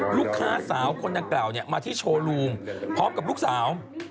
ลูกฆาตาเสาคนเก่านี่มาที่โชว์รูมพร้อมกับลูกเสา